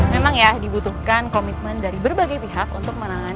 memang ya dibutuhkan komitmen dari berbagai pihak untuk menangani